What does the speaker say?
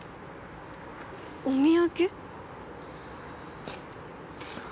お土産？